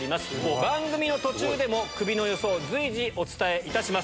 番組の途中でも、クビの予想、随時、お伝えいたします。